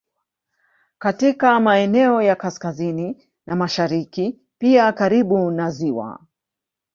Katika maeneo ya kaskazini na mashariki pia karibu na ziwa